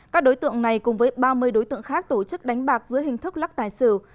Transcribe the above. các đối tượng này cùng với ba mươi đối tượng khác tổ chức đánh bạc dưới hình thức lắc tài xỉu